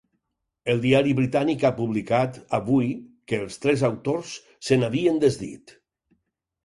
El diari britànic ha publicat avui que els tres autors se n’havien desdit.